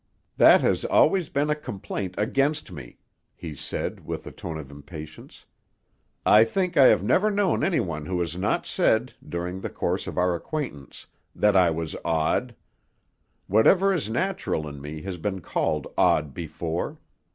"That has always been a complaint against me," he said, with a tone of impatience. "I think I have never known any one who has not said, during the course of our acquaintance, that I was 'odd;' whatever is natural in me has been called 'odd' before.